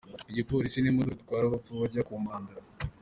Igipolisi n’imodoka zitwara abapfu bajya kwa Mandla.